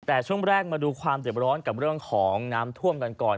แต่ช่วงแรกมาดูความเจ็บร้อนกับเรื่องของน้ำท่วมกันก่อน